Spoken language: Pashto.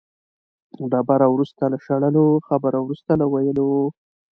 ډبره وروسته له شړلو، خبره وروسته له ویلو.